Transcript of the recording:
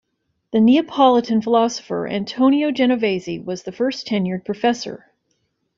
The Neapolitan philosopher Antonio Genovesi was the first tenured professor.